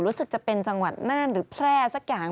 รู้สึกจะเป็นจังหวัดน่านหรือแพร่สักอย่าง